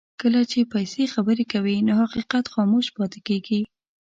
کله چې پیسې خبرې کوي نو حقیقت خاموش پاتې کېږي.